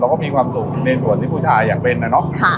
ก็มีความสุขในส่วนที่ผู้ชายอยากเป็นนะเนาะ